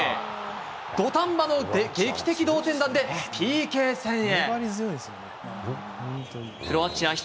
土壇場の劇的同点弾でＰＫ戦へ。